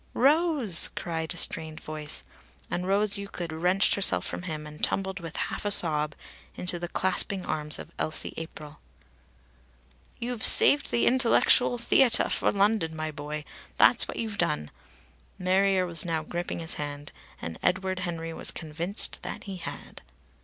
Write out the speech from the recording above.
"Rose!" cried a strained voice, and Rose Euclid wrenched herself from him and tumbled with half a sob into the clasping arms of Elsie April. "You've saved the intellectual theatah for London, my boy! That's what you've done!" Marrier was now gripping his hand. And Edward Henry was convinced that he had.